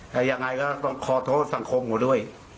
แต่ยังไงก็ต้องขอโทษสังคมเขาด้วย